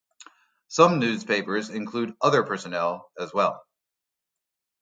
Some newspapers include other personnel as well.